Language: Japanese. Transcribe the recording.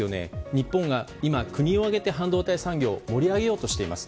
日本が今、国を挙げて半導体産業を盛り上げようとしています。